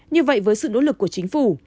như vậy với sự nỗ lực của chính phủ